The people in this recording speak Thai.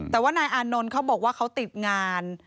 แต่หน่ายอานนท์นันท์เขาก็บอกว่าเขาติดงาน